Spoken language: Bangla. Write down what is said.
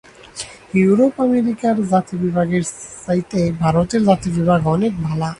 ইউরোপ-আমেরিকার জাতিবিভাগের চেয়ে ভারতের জাতিবিভাগ অনেক ভাল।